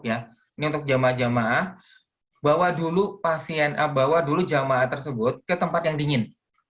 ini untuk jemaah jemaah bawa dulu jemaah tersebut ke tempat yang dingin